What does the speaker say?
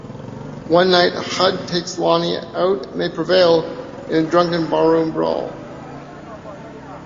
One night, Hud takes Lonnie out and they prevail in a drunken barroom brawl.